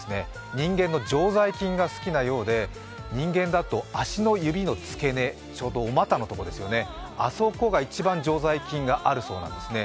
人間の常在菌が好きなようで、人間だと足の指の付け根、ちょうどお股のところですよね、あそこが一番常在菌があるそうなんですね。